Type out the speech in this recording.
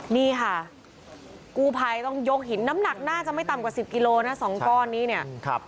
นี่ค่ะกู้ภัยต้องยกหินน้ำหนักน่าจะไม่ต่ำกว่า๑๐กิโลนะ๒ก้อนนี้เนี่ย